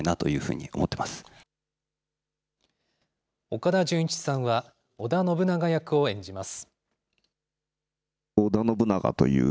岡田准一さんは織田信長役を演じます。